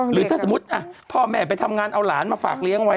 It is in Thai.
หรือถ้าสมมุติพ่อแม่ไปทำงานเอาหลานมาฝากเลี้ยงไว้